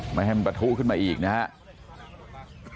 ไม่ให้มันประทุขึ้นมาอีกนะครับ